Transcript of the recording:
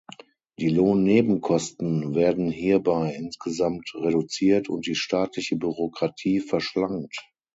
Die Lohnnebenkosten werden hierbei insgesamt reduziert und die staatliche Bürokratie verschlankt.